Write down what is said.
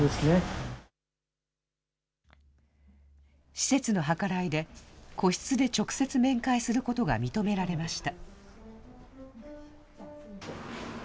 施設の計らいで、個室で直接面会することが認められました。